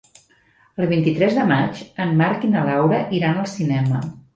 El vint-i-tres de maig en Marc i na Laura iran al cinema.